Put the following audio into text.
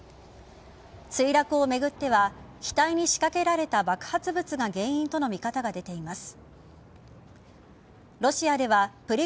墜落を巡っては機体に仕掛けられた爆発物が原因との見方が出ています。